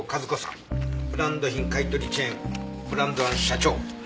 ブランド品買取チェーンブランド庵社長。